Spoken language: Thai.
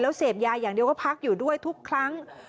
เสพยาอย่างเดียวก็พักอยู่ด้วยทุกครั้ง